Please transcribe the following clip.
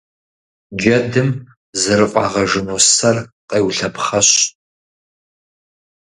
Джэдым зэрыфӀагъэжыну сэр къеулъэпхъэщ.